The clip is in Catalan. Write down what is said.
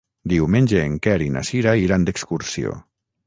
Diumenge en Quer i na Cira iran d'excursió.